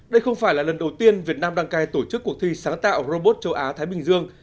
đây không phải là lần đầu tiên việt nam đăng cai tổ chức cuộc thi sáng tạo robot châu á thái bình dương